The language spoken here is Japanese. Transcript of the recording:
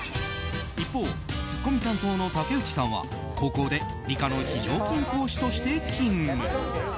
一方、ツッコミ担当の竹内さんは高校で理科の非常勤講師として勤務。